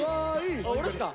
あ俺っすか。